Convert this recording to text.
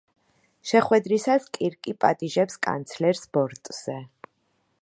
შეხვედრისას კირკი პატიჟებს კანცლერს ბორტზე.